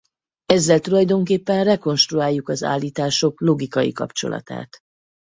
Ezzel tulajdonképpen rekonstruáljuk az állítások logikai kapcsolatát.